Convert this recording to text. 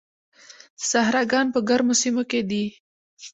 صحراګان په ګرمو سیمو کې دي.